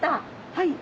はい。